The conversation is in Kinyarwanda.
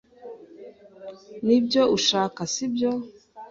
Nibyo ushaka, sibyo?